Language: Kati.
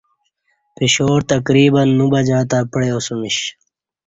پشاور تقریبا نو بجہ تہ پعیاسمیش